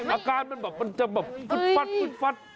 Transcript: อาการมันจะแบบคุดฟัด